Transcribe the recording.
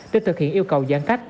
để thực hiện yêu cầu giãn cách